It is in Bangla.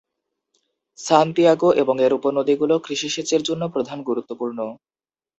সান্তিয়াগো এবং এর উপনদীগুলি কৃষি সেচের জন্য প্রধান গুরুত্বপূর্ণ।